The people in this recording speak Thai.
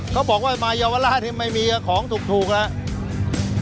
เขาบอกว่ามาเยาวราชนี่ไม่มีของถูกแล้ว